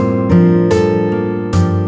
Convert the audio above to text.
saya tidak bisa janji itu besar besarkan